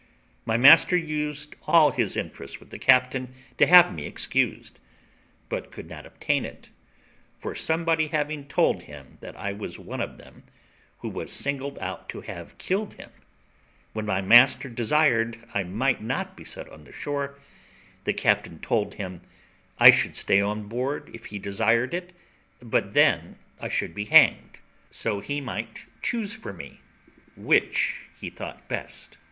My master used all his interest with the captain to have me excused, but could not obtain it; for somebody having told him that I was one of them who was singled out to have killed him, when my master desired I might not be set on shore, the captain told him I should stay on board if he desired it, but then I should be hanged, so he might choose for me which he thought best.